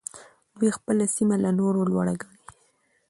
دوی خپله سيمه له نورو لوړه ګڼي.